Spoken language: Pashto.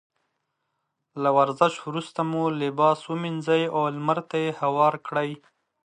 له ورزش وروسته مو لباس ومينځئ او لمر ته يې هوار کړئ.